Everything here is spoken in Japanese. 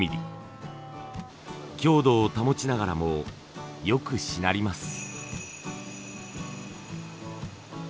強度を保ちながらもよくしなります。